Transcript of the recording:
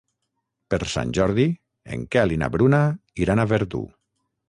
Per Sant Jordi en Quel i na Bruna iran a Verdú.